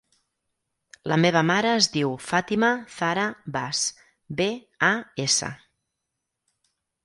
La meva mare es diu Fàtima zahra Bas: be, a, essa.